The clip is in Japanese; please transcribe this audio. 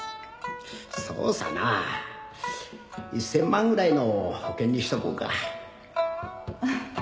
そうさな１０００万ぐらいの保険にしとこうか。